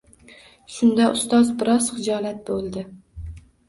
Shunda ustoz biroz xijolat bo‘ldi